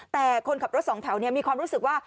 แต่คนขับรถสองแถวมีความรู้สึกว่า